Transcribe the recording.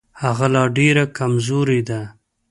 هغه لا ډېره کمزورې ده.